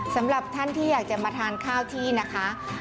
สำหรับท่านที่อยากจะมาทานข้าวที่นะคะ